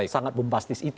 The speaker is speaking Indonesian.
sangat bombastis itu